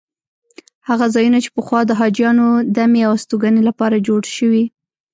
هغه ځایونه چې پخوا د حاجیانو دمې او استوګنې لپاره جوړ شوي.